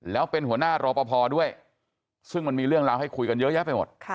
แล้วเป็นหัวหน้ารอปภด้วยซึ่งมันมีเรื่องราวให้คุยกันเยอะแยะไปหมด